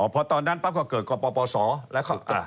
อ๋อเพราะตอนนั้นปั๊บก็เกิดกรรมปปสแล้วค่ะ